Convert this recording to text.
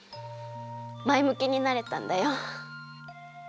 まえむきになれたんだよ。